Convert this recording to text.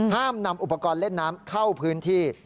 ห้ามนำอุปกรณ์เล่นน้ำเข้าพื้นที่